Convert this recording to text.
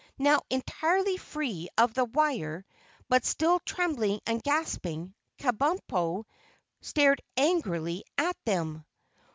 Now entirely free of the wire, but still trembling and gasping, Kabumpo stared angrily after them.